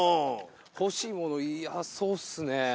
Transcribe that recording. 欲しいものいやそうっすね。